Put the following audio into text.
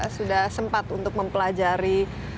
sudah sempat untuk mempelajari